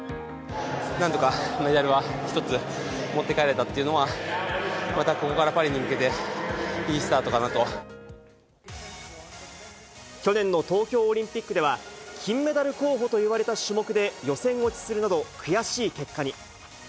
なんとかメダルは１つ、持って帰れたっていうのは、また、ここからパリに向けて、去年の東京オリンピックでは、金メダル候補といわれた種目で予選落ちするなど、悔しい結果に。